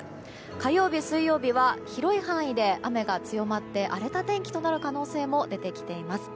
火曜日、水曜日は広い範囲で雨が強まって荒れた天気となる可能性も出てきています。